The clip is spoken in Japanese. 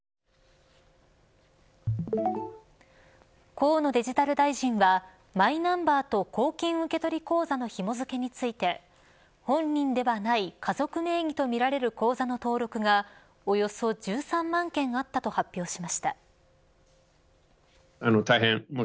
河野デジタル大臣はマイナンバーと公金受取口座のひも付けについて本人ではない家族名義とみられる口座の登録がおよそ１３万件あったと発表しました。